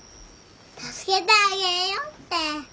「助けてあげるよ」って。